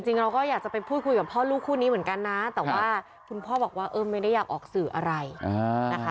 จริงเราก็อยากจะไปพูดคุยกับพ่อลูกคู่นี้เหมือนกันนะแต่ว่าคุณพ่อบอกว่าเออไม่ได้อยากออกสื่ออะไรนะคะ